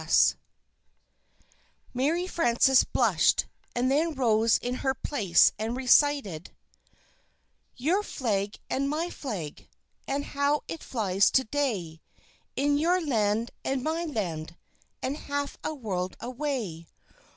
[Illustration: YOUR FLAG AND MY FLAG] Mary Frances blushed, and then rose in her place and recited: Your flag and my flag, And how it flies to day In your land and my land And half a world away!